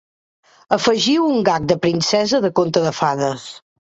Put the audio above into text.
Afegiu un gag de princesa de conte de fades.